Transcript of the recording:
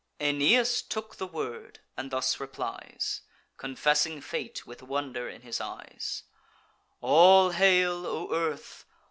Aeneas took the word, and thus replies, Confessing fate with wonder in his eyes: "All hail, O earth!